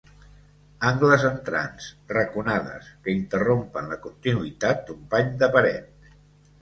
Angles entrants, raconades, que interrompen la continuïtat d'un pany de paret.